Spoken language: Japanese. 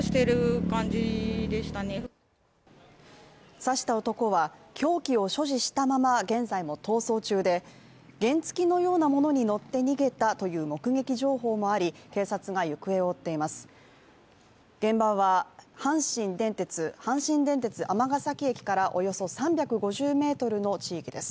刺した男は凶器を所持したまま現在も逃走中で、原付のようなものに乗って逃げたという目撃情報もあり警察が行方を追っています。